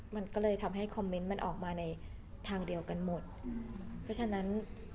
มันก็เลยทำให้คอมเมนต์มันออกมาในทางเดียวกันหมดเพราะฉะนั้น